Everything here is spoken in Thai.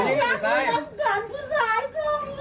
ต้องการผู้สามารถ